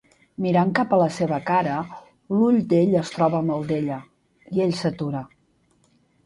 Mirant cap a la seva cara, l'ull d'ell es troba amb el d'ella, i ell s'atura.